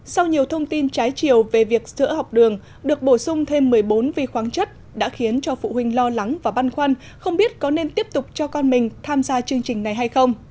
sau nhiều thông tin trái chiều về việc sữa học đường được bổ sung thêm một mươi bốn vi khoáng chất đã khiến cho phụ huynh lo lắng và băn khoăn không biết có nên tiếp tục cho con mình tham gia chương trình này hay không